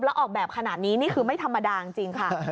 แล้วออกแบบขนาดนี้นี่คือไม่ธรรมดาจริงค่ะ